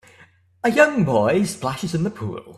A young boy splashes in the pool